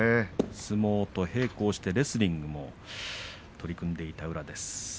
相撲と並行してレスリングも取り組んでいた宇良です。